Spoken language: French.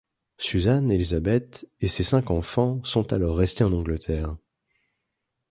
Susan Elizabeth et ses cinq enfants sont alors restés en Angleterre.